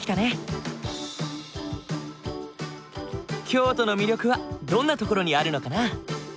京都の魅力はどんなところにあるのかな？